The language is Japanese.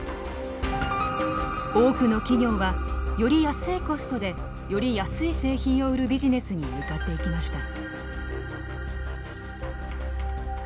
多くの企業はより安いコストでより安い製品を売るビジネスに向かっていきました。